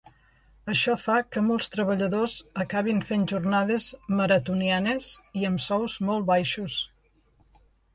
Això fa que molts treballadors acabin fent jornades ‘maratonianes’ i amb sous molt baixos.